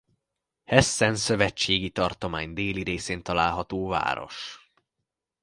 Hessen szövetségi tartomány déli részén található város.